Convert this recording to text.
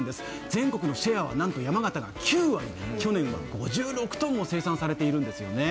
全国のシェアはなんと山形が９割、去年は５６ｔも生産されているんです。